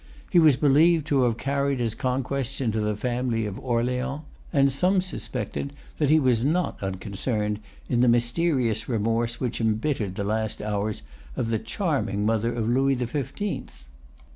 He was believed to have carried his conquests into the family of Orleans; and some suspected that he was not unconcerned in the mysterious remorse which embittered the last hours of the charming mother of Louis the Fifteenth.